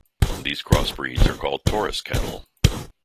These crossbreeds are called Taurus cattle.